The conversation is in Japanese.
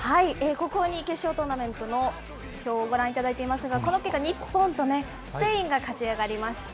ここに決勝トーナメントの表をご覧いただいていますが、この結果、日本とスペインが勝ち上がりました。